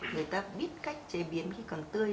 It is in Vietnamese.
người ta biết cách chế biến khi còn tươi